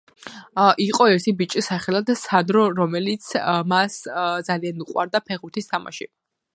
იყო ერთი ბიჭი სახელად სანდრო რომელიც მას ძალიან უყვარდა ფეხბურთის თამაში